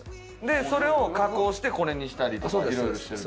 でそれを加工してこれにしたりとか色々してる。